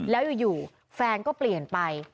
แล้วอยู่แฟนก็เปลี่ยนไป